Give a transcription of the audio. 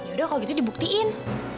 yaudah kalau gitu dibuktiin